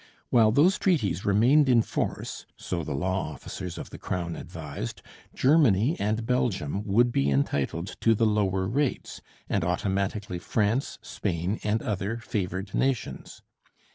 While those treaties remained in force, so the law officers of the Crown advised, Germany and Belgium would be entitled to the lower rates, and automatically France, Spain, and other favoured nations.